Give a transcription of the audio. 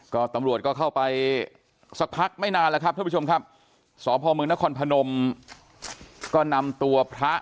ก็ตำรวจก็เข้าไปสักพักไม่นานแล้วครับท่านผู้ชมครับสพมนครพนมก็นำตัวพระ